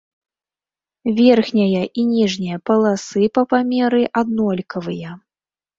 Верхняя і ніжняя паласы па памеры аднолькавыя.